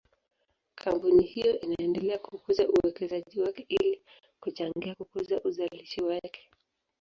Kampuni hiyo inaendelea kukuza uwekezaji wake ili kuchangia kukuza uzalishaji wake.